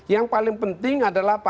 yang paling penting adalah